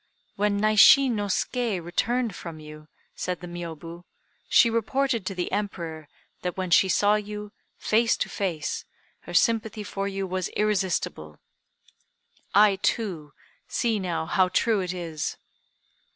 "When Naishi no Ske returned from you," said the Miôbu, "she reported to the Emperor that when she saw you, face to face, her sympathy for you was irresistible. I, too, see now how true it is!"